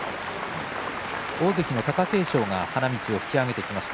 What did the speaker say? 大関貴景勝、花道を引き返してきました。